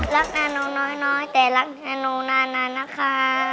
รักแนนูน้อยแต่รักแนนูนานานนะคะ